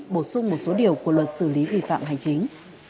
bổ sung một số điều của luật xử lý vi phạm hành chính